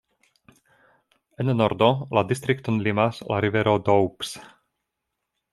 En nordo la distrikton limas la rivero Doubs.